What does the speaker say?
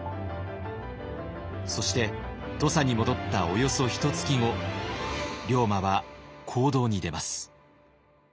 そして土佐に戻ったおよそひとつき後龍馬は行動に出ます。